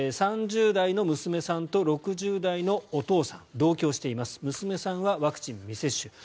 ３０代の娘さんと６０代のお父さん同居しています娘さんはワクチン未接種。